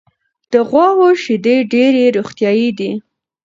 د غواوو شیدې ډېرې روغتیایي دي.